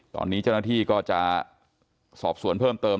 ตอนนี้เจ้าหน้าที่ก็จะสอบสวนเพิ่มเติม